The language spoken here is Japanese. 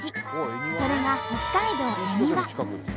それが北海道恵庭。